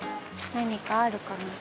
何かあるかな？